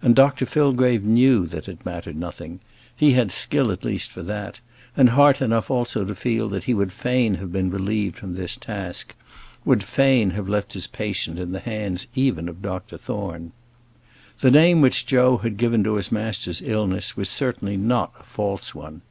And Dr Fillgrave knew that it mattered nothing: he had skill at least for that and heart enough also to feel that he would fain have been relieved from this task; would fain have left this patient in the hands even of Dr Thorne. The name which Joe had given to his master's illness was certainly not a false one.